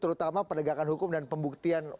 terutama penegakan hukum dan pembuktian